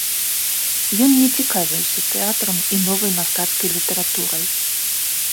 Ён не цікавіўся тэатрам і новай мастацкай літаратурай.